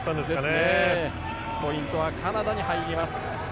ポイントはカナダに入ります。